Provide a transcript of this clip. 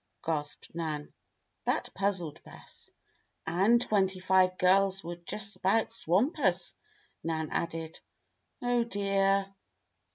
gasped Nan. That puzzled Bess. "And twenty five girls would just about swamp us," Nan added. "Oh, dear!"